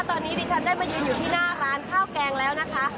ตอนนี้ดิฉันได้มายืนอยู่ที่หน้าร้านข้าวแกงแล้วนะคะ